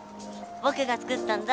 ぼくが作ったんだ。